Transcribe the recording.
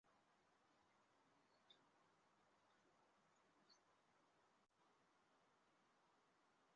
他也是勃兰登堡藩侯。